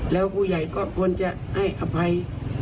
แล้วผู้ใหญ่ก็ควรจะให้อภัย